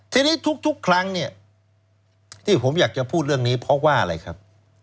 ทีนี้ทุกครั้งเนี่ยที่ผมอยากจะพูดเรื่องนี้เพราะว่าอะไรครับ